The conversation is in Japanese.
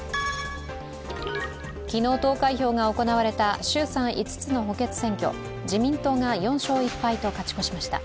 昨日、投開票が行われた衆参５つの補欠選挙自民党が４勝１敗と勝ち越しました。